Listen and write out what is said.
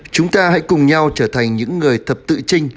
chúng ta hãy cùng nhau trở thành những người thật tự trinh